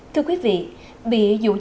thưa quý vị bị dũ dỗ lừa phỉnh